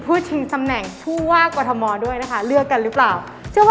ผู้ชิงสำแหน่งชั่ววากปัธหมอนด้วยนะคะเลือกกันหรือเปล่าเชื่อว่า